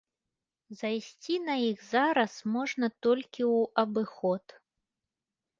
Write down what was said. Зайсці на іх зараз можна толькі ў абыход.